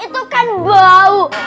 di pasar itu kan bau